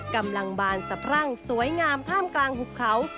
บานสะพรั่งสวยงามท่ามกลางหุบเขา